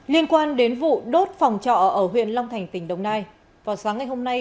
liên quan đến vụ đốt phòng trọ ở huyện long thành tỉnh đồng nai vào sáng ngày hôm nay